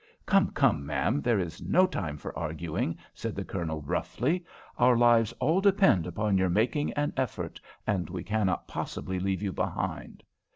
"Come, come, ma'am, there is no time for arguing," said the Colonel, roughly. "Our lives all depend upon your making an effort, and we cannot possibly leave you behind."